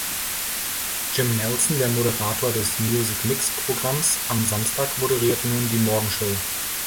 Jim Nelson, der Moderator des „Music Mix“-Programms am Samstag, moderiert nun die Morgen-Show.